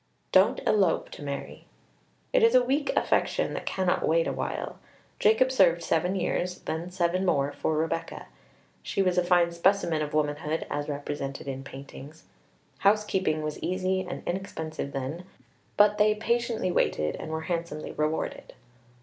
Don't elope to marry. It is a weak affection that cannot wait awhile. Jacob served seven years, then seven more, for Rebecca. She was a fine specimen of womanhood as represented in paintings; housekeeping was easy and inexpensive then, but they patiently waited and were handsomely rewarded.